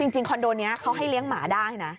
คอนโดนี้เขาให้เลี้ยงหมาได้นะ